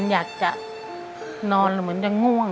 คุณยายแดงคะทำไมต้องซื้อลำโพงและเครื่องเสียง